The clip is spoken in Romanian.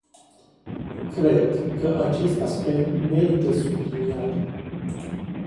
Cred că acest aspect merită subliniat.